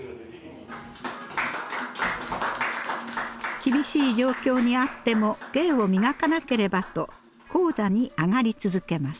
厳しい状況にあっても芸を磨かなければと高座に上がり続けます。